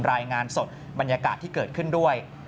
รายงานสดบรรยากาศที่เกิดขึ้นด้วย